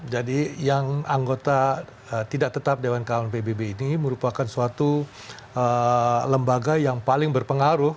jadi yang anggota tidak tetap dewan kaman pbb ini merupakan suatu lembaga yang paling berpengaruh